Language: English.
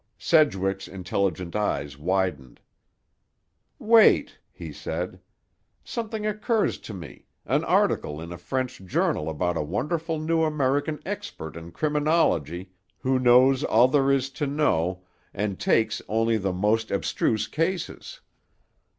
Sedgwick's intelligent eyes widened. "Wait," he said, "something occurs to me, an article in a French journal about a wonderful new American expert in criminology, who knows all there is to know, and takes only the most abstruse cases.